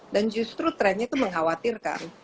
dan justru trennya itu mengkhawatirkan